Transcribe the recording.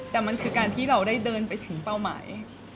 แต่มันคือการที่เราได้เดินไปถึงเป้าหมาย